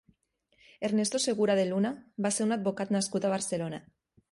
Ernesto Segura de Luna va ser un advocat nascut a Barcelona.